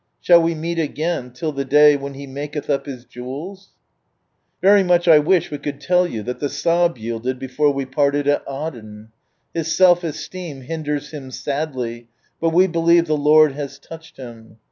Shall we meet again till the day " when He makelh up His jewels "? Very much I wish we could tell you that the Sahib yielded before we parted at Aden. His self esteem hinders him sadly, but we believe the Lord has touched him.